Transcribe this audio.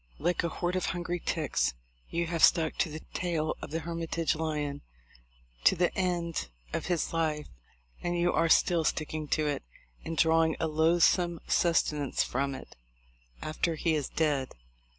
Like a horde of hungry ticks, you have stuck to the tail of the Hermitage lion to the end of his life ; and you are still sticking to it, and drawing a loathsome sustenance from it, after he is dead.